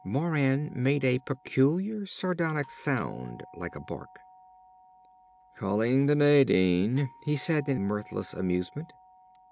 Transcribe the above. _" Moran made a peculiar, sardonic sound like a bark. "Calling the Nadine!" he said in mirthless amusement.